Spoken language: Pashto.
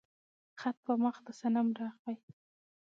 خط په مخ د صنم راغى